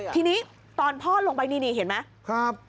ทีนี้ตอนพ่อลงไปนี่เห็นไหม